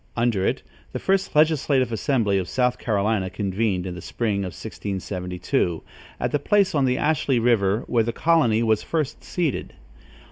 Under it, the first legislative assembly of South Carolinia convened, in the spring of 1672, at the place on the Ashley River where the colony was first seated.